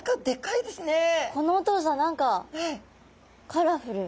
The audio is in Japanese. このお父さん何かカラフル。